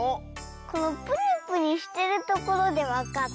このプニプニしてるところでわかった。